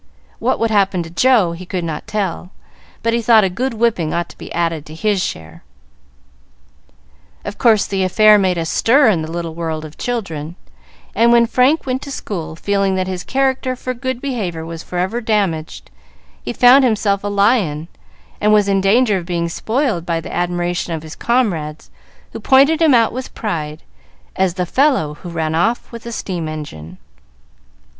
What would happen to Joe, he could not tell, but he thought a good whipping ought to be added to his share. Of course, the affair made a stir in the little world of children; and when Frank went to school, feeling that his character for good behavior was forever damaged, he found himself a lion, and was in danger of being spoiled by the admiration of his comrades, who pointed him out with pride as "the fellow who ran off with a steam engine."